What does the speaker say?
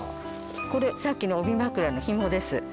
これさっきの帯枕の紐です